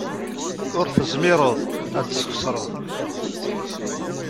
Ur tezmireḍ ad txeṣreḍ.